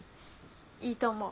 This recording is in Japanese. いいと思う。